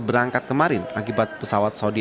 berangkat kemarin akibat pesawat saudi